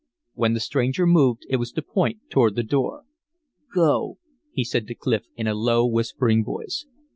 When the stranger moved it was to point toward the door. "Go," said he to Clif, in a low, whispering voice.